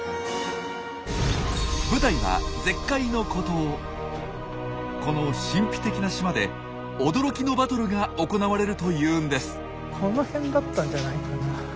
舞台はこの神秘的な島で驚きのバトルが行われるというんです。